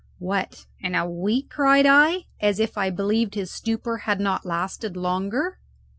"What! in a week?" cried I, as if I believed his stupor had not lasted longer.